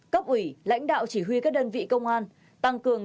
cấp ủy lãnh đạo chỉ huy các đơn vị công an tăng cường